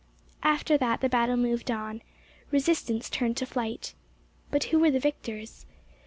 After that the battle moved on. Resistance turned to flight. But who were the victors?